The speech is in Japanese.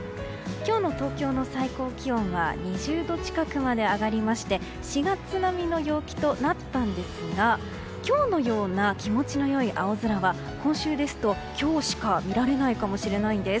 今日の東京の最高気温は２０度近くまで上がりまして４月並みの陽気となったんですが今日のような気持ちの良い青空は今週ですと今日しか見られないかもしれないんです。